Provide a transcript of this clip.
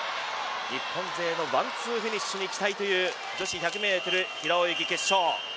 日本勢のワンツーフィニッシュに期待という女子１００ｍ平泳ぎ決勝。